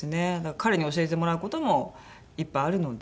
彼に教えてもらう事もいっぱいあるので。